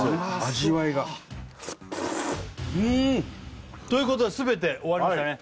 味わいがうん！ということで全て終わりましたね